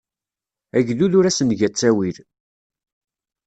Agdud ur as-nga ttawil.